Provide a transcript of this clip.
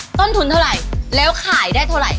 ต้นทุนเท่าไหร่แล้วขายได้เท่าไหร่